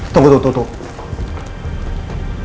tunggu tunggu tunggu